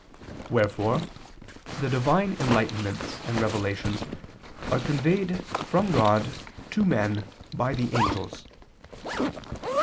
Wherefore the Divine enlightenments and revelations are conveyed from God to men by the angels.